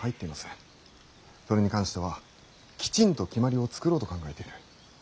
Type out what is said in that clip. それに関してはきちんと決まりを作ろうと考えている。